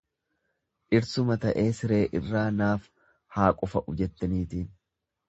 Dhirsuma ta'ee siree irraa naaf haa qufa'u jette niitiin.